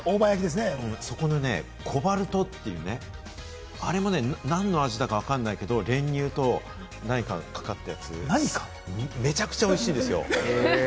そこのコバルトっていうね、あれも何の味だかわかんないけれども、練乳と何かがかかったやつ、めちゃくちゃおいしいんですよ。